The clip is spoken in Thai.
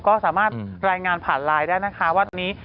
ก็สามารถรายงานผ่านไลน์ได้นะคะว่าวันนี้